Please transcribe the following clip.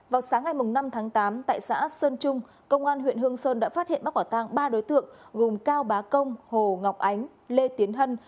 vào sáng ngày năm tháng tám tại xã sơn trung công an huyện hương sơn đã phát hiện bắt quả tang ba đối tượng gồm cao bá công hồ ngọc ánh lê tiến hân